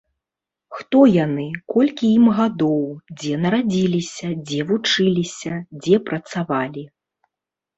Хто яны, колькі ім гадоў, дзе нарадзіліся, дзе вучыліся, дзе працавалі.